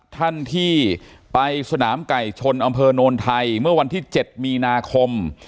ท่านที่ไปสนามไก่ชนอำเภอโนนไทยเมื่อวันที่๗มีนาคม